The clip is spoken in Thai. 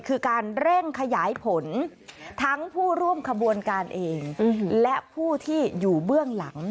คือการเร่งขยายผลทั้งผู้ร่วมขบวนการเองและผู้ที่อยู่เบื้องหลัง